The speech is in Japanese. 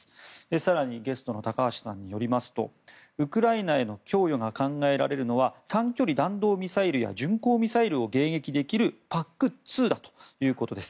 更に、ゲストの高橋さんによりますとウクライナへの供与が考えられるのは短距離弾道ミサイルや巡航ミサイルを迎撃できるＰＡＣ２だということです。